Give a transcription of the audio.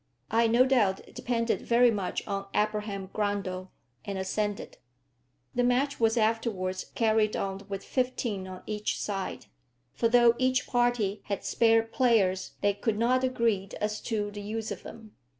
I no doubt depended very much on Abraham Grundle, and assented. The match was afterwards carried on with fifteen on each side; for though each party had spare players, they could not agree as to the use of them.